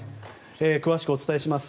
詳しくお伝えします。